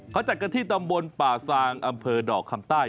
เขาจัดกันที่ตำบลป่าซางอำเภอดอกคำใต้